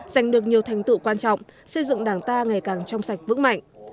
giành được nhiều thành tựu quan trọng xây dựng đảng ta ngày càng trong sạch vững mạnh